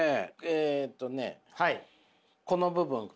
えっとねこの部分かな。